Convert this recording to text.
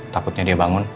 takutnya dia bangun